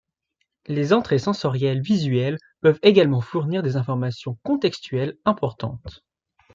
Les entrées sensorielles visuelles peuvent également fournir des informations contextuelles importantes.